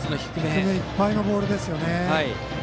低めいっぱいのボールでしたよね。